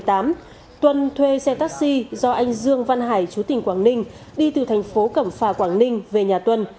tuân thuê xe taxi do anh dương văn hải chú tỉnh quảng ninh đi từ thành phố cẩm phà quảng ninh về nhà tuân